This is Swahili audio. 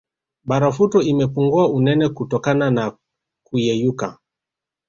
Barafuto imepungua unene kutokana na kuyeyuka